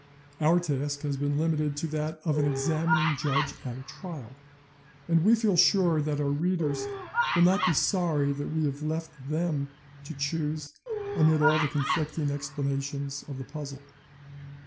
Our task has been limited to that of an examining judge at a trial, and we feel sure that our readers will not be sorry that we have left them to choose amid all the conflicting explanations of the puzzle.